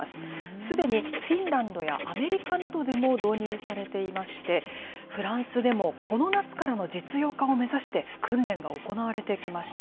すでにフィンランドやアメリカなどでも導入されていまして、フランスでもこの夏からの実用化を目指して、訓練が行われてきました。